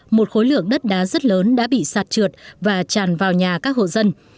một khối lượng đất đá rất lớn đã bị sạt trượt và tràn vào nhà các hộ dân